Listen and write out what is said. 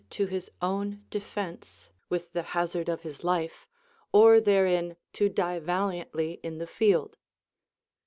97 to his own defence with the hazard of his life, or therein to die valiantly in the field.